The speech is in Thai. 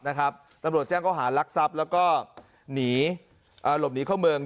ตำรวจแจ้งเขาหารักทรัพย์แล้วก็หนีหลบหนีเข้าเมือง